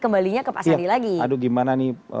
kembalinya ke pak sandi lagi aduh gimana nih